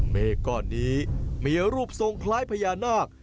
เมฆก้อนนี้มีรูปทรงคล้ายพญานาค